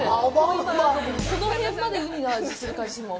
今この辺までウニの味する感じするもん。